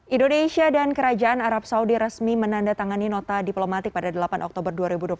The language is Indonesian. indonesia dan kerajaan arab saudi resmi menandatangani nota diplomatik pada delapan oktober dua ribu dua puluh satu